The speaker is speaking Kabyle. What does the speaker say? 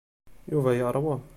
Yuba yeṛwa.